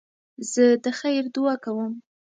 زه د خیر دؤعا کوم.